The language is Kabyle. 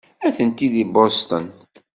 Atenti deg Boston.